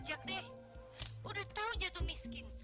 jadi orang itu yang tahu diri